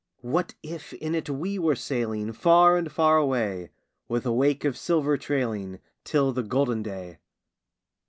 What if in it we were sailing Far and far away, With a wake of silver trailing, Till the golden day?